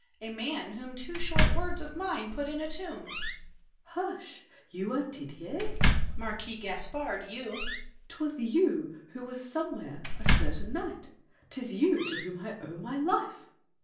—a man whom two Short words of mine put in a tomb. SAVERNY. Hush! You Are Didier! DIDIER. Marquis Gaspard, you! SAVERNY. 'Twas you Who were somewhere, a certain night! 'Tis you To whom I owe my life!